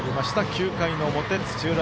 ９回の表土浦